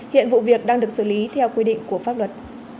hiện vụ việc đang được xử lý theo quy định của pháp luật